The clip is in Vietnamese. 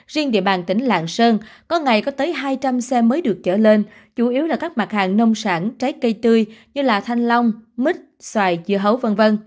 riêng địa bàn tỉnh lạng sơn có ngày có tới hai trăm linh xe mới được trở lên chủ yếu là các mặt hàng nông sản trái cây tươi như thanh long mít xoài dưa hấu v v